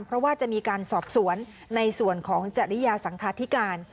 เพราะว่าจะมีการสอบสวนในส่วนของจริยาสังคาธิการ